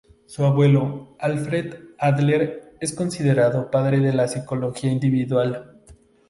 Su abuelo, Alfred Adler, es considerado padre de la psicología individual.